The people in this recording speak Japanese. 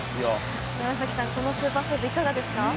楢崎さん、このスーパーセーブいかがですか？